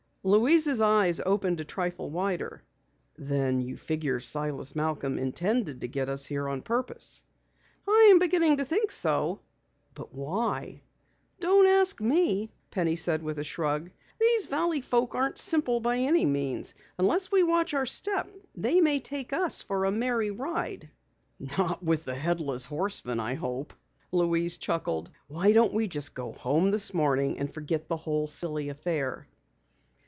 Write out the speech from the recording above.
Louise's eyes opened a trifle wider. "Then you figure Silas Malcom intended to get us here on purpose!" "I'm beginning to think so." "But why?" "Don't ask me," Penny said with a shrug. "These Valley folk aren't simple by any means! Unless we watch our step they may take us for a merry ride." "Not with the Headless Horseman, I hope," Louise chuckled. "Why don't we go home this morning and forget the whole silly affair?"